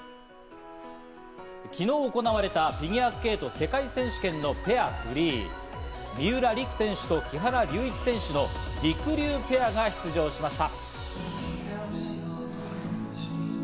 昨日、行われたフィギュアスケート世界選手権のペア・フリー、三浦璃来選手と木原龍一選手のりくりゅうペアが出場しました。